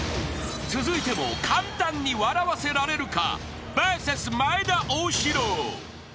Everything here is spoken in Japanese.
［続いても簡単に笑わせられるか］